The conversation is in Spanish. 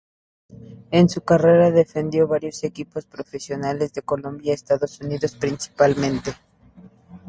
En su carrera defendió varios equipos profesionales de Colombia y Estados Unidos principalmente.